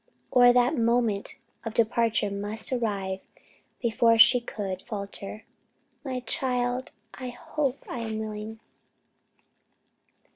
or that the moment of departure must arrive, before she could falter, "My child, I hope I am willing?"